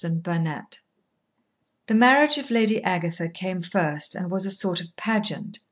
Chapter Eight The marriage of Lady Agatha came first, and was a sort of pageant.